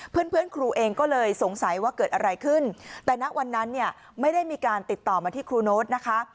เพื่อนครูเองก็เลยสงสัยว่าเกิดอะไรขึ้นแต่ณวันนั้นเนี่ยไม่ได้มีการติดต่อมาที่ครูโน๊ตนะคะ